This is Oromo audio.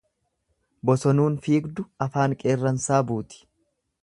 Bosonuun fiigdu afaan qeerransaa buuti.